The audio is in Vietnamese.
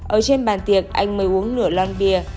ở trên bàn tiệc anh mới uống nửa lon bia